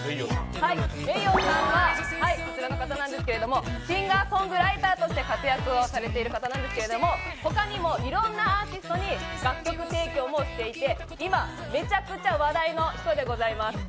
ｍｅｉｙｏさんは、シンガーソングライターとして活躍をされている方なんですけど他にもいろんなアーティストに楽曲提供もしていて、今、めちゃくちゃ話題の人でございます。